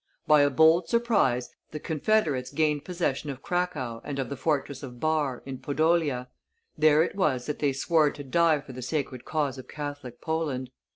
By a bold surprise the confederates gained possession of Cracow and of the fortress of Barr, in Podolia; there it was that they swore to die for the sacred cause of Catholic Poland.